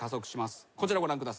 こちらご覧ください。